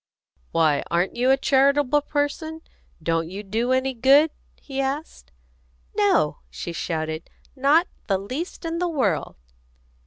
"Why, aren't you a charitable person? Don't you do any good?" he asked. "No!" she shouted. "Not the least in the world!"